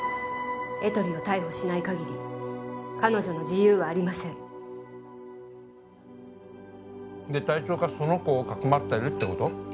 エトリを逮捕しない限り彼女の自由はありませんで隊長がその子をかくまってるってこと？